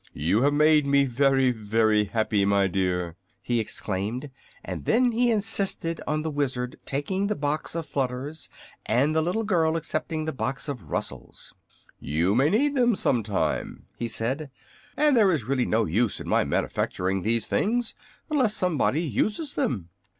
"You have made me very, very happy, my dear!" he exclaimed; and then he insisted on the Wizard taking the box of flutters and the little girl accepting the box of rustles. "You may need them, some time," he said, "and there is really no use in my manufacturing these things unless somebody uses them."